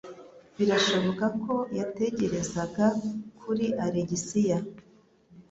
Birashoboka ko yatekerezaga kuri Alegisiya,